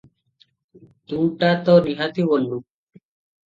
ତୁ ଟା ତ ନିହାତି ଓଲୁ ।